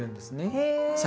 へえ。